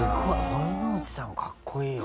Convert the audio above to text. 堀之内さんかっこいいな。